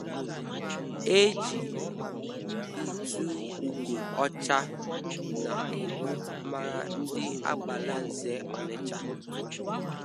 Eji ịtụ ugo ọcha na okpu mara ndị Agbalanze Ọnịcha.